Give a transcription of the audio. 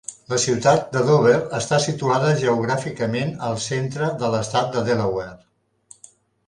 La ciutat de Dover està situada geogràficament al centre de l'estat de Delaware.